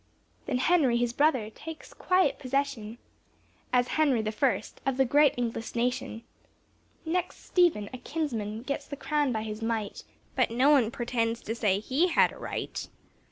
Then Henry his brother takes quiet possession, As Henry the first, of the great English nation. Next Stephen, a kinsman gets the crown by his might, But no one pretends to say he had a right.